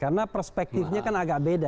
karena perspektifnya kan agak beda